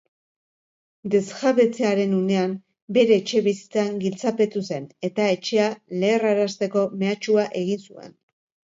Desjabetzearen unean, bere etxebizitzan giltzapetu zen eta etxea leherrarazteko mehatxua egin zuen.